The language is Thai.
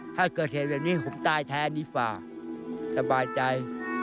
ถ้าเกิดเหตุแบบนี้ผมตายแทนดีกว่าสบายใจ